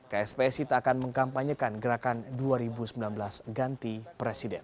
kspsi tak akan mengkampanyekan gerakan dua ribu sembilan belas ganti presiden